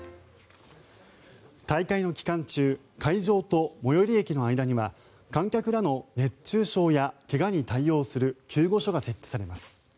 大会の期間中会場と最寄り駅の間には観客らの熱中症や怪我に対する救護所が設置されます。